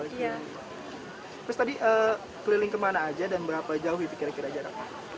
terus tadi keliling kemana aja dan berapa jauh itu kira kira jaraknya